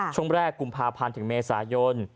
ช่วงแรกกุมภาพันธ์ถึงเมษายน